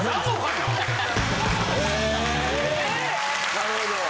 なるほど。